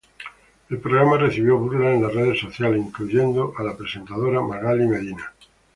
El programa recibió burlas en las redes sociales, incluyendo a la presentadora Magaly Medina.